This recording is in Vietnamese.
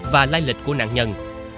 và lai lịch của nạn nhân